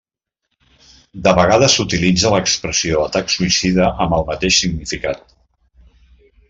De vegades s'utilitza l'expressió atac suïcida amb el mateix significat.